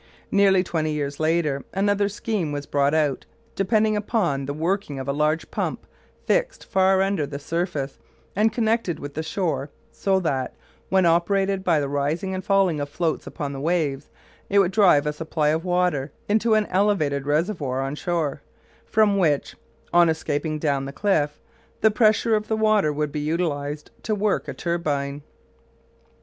Nearly twenty years later another scheme was brought out depending upon the working of a large pump fixed far under the surface, and connected with the shore so that, when operated by the rising and falling of floats upon the waves, it would drive a supply of water into an elevated reservoir on shore, from which, on escaping down the cliff, the pressure of the water would be utilised to work a turbine.